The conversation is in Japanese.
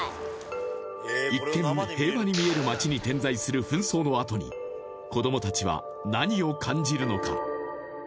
一見平和に見える街に点在する紛争の跡に子どもたちは何を感じるのか？